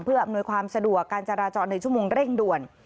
เพื่ออำนวยความสะดวกการจราจรในชั่วโมงเร่งด่วน